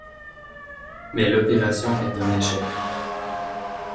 Mais l'opération est un échec.